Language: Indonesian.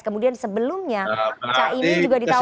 kemudian sebelumnya pak caimin juga ditawar